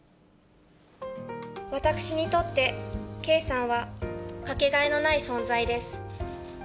私にとって圭さんは、掛けがえのない存在です。